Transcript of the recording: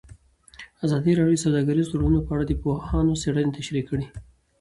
ازادي راډیو د سوداګریز تړونونه په اړه د پوهانو څېړنې تشریح کړې.